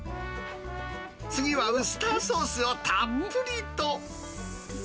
次はウスターソースをたっぷりと。